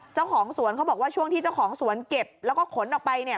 เจ้าของสวนเขาบอกว่าช่วงที่เจ้าของสวนเก็บแล้วก็ขนออกไปเนี่ย